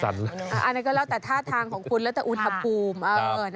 อันนั้นก็แล้วแต่ท่าทางของคุณแล้วแต่อุณหภูมิ